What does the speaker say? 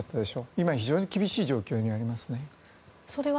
今非常に厳しい状況にありますね。